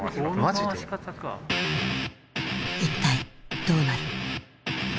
一体どうなる。